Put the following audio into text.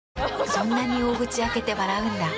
そんなに大口開けて笑うんだ。